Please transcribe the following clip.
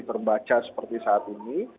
terbaca seperti saat ini